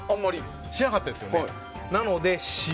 しなかったですよね。